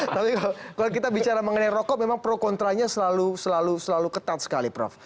tapi kalau kita bicara mengenai rokok memang pro kontranya selalu ketat sekali prof